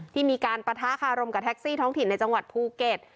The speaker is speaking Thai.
ที่มีการปะทะคารมกับแท็กซี่ท้องถิ่นในจังหวัดภูเก็ต